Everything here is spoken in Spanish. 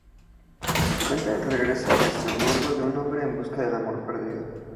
Cuenta el regreso a Estrasburgo de un hombre en busca del amor perdido.